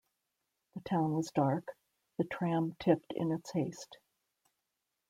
The town was dark; the tram tipped in its haste.